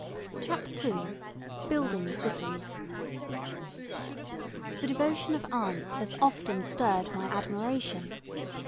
CHAPTER II Building Cities THE devotion of aunts has often stirred my admiration.